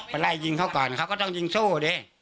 ไล่ยิงเขาก่อนเขาก็ต้องยิงสู้ดิ